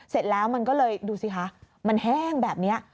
เสร็จแล้วมันก็เลยดูสิคะมันแห้งแบบนี้